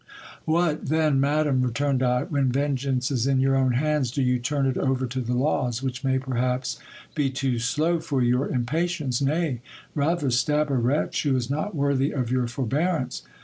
What, then ! madam, returned I, when vengeance is in your own hands, do you turn it over to the laws, which may, perhaps, be too slow for your impa tience ? Nay ! rather stab a wretch who is not worthy of your forbearance.